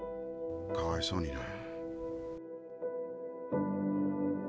かわいそうにな。